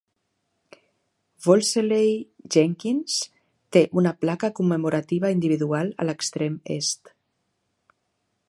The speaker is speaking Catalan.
Wolseley-Jenkins té una placa commemorativa individual a l'extrem est.